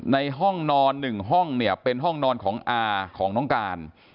ในห้องนอน๑ห้องเนี่ยเป็นห้องนอนของอาของน้องการ